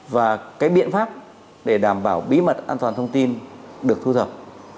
và cái biện pháp để đảm bảo bí mật an toàn thông tin được thu thập